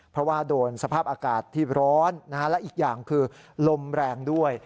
เพราะว่าโดนสภาพอากาศที่ร้อนและอีกอย่างคือลมแรงด้วย